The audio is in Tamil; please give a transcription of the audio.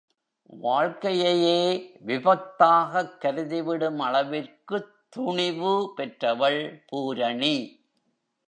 வாழ்க்கையையே விபத்தாகக் கருதிவிடும் அளவிற்குத் துணிவு பெற்றவள் பூரணி.